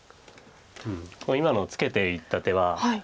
今のツケていった手は。